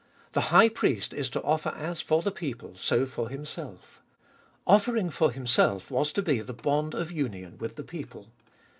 The high priest is to offer as for the people, so for himself. Offering for himself was to be the bond of union with the people.